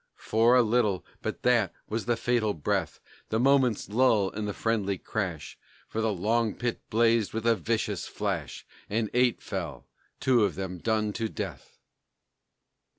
For a little, but that was the fatal breath, That moment's lull in the friendly crash, For the long pit blazed with a vicious flash, And eight fell, two of them done to death.